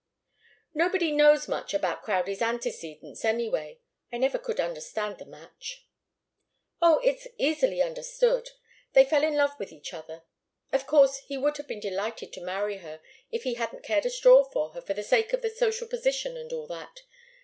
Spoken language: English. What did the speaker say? "Nobody knows much about Crowdie's antecedents, anyway. I never could understand the match." "Oh it's easily understood. They fell in love with each other. Of course he would have been delighted to marry her, if he hadn't cared a straw for her, for the sake of the social position and all that.